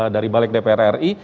dari balik dpr ri